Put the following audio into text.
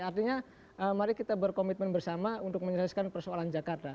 artinya mari kita berkomitmen bersama untuk menyelesaikan persoalan jakarta